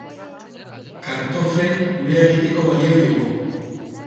Kartoffeln purea egiteko balio digu!